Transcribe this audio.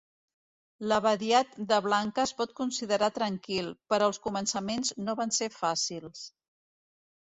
L'abadiat de Blanca es pot considerar tranquil, però els començaments no van ser fàcils.